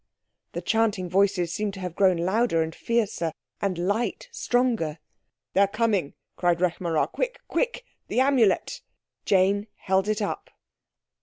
The chanting voices seemed to have grown louder and fiercer, and light stronger. "They are coming!" cried Rekh marā. "Quick, quick, the Amulet!" Jane held it up.